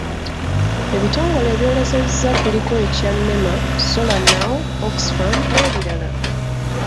Ebitongole ebyolesezza kuliko ekya NEMA, SolarNow, Oxfam n'ebirala.